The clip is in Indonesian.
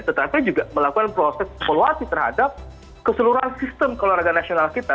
tetapi juga melakukan proses evaluasi terhadap keseluruhan sistem keluarga nasional kita